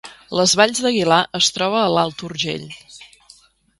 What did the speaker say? Les Valls d’Aguilar es troba a l’Alt Urgell